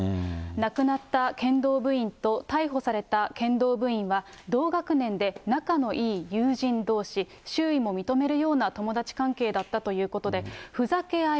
亡くなった剣道部員と逮捕された剣道部員は、同学年で、仲のいい友人どうし、周囲も認めるような友達関係だったということで、ふざけ合い